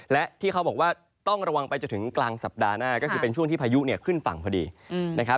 และที่เขาบอกว่าต้องระวังไปจนถึงกลางสัปดาห์หน้าก็คือเป็นช่วงที่พายุเนี่ยขึ้นฝั่งพอดีนะครับ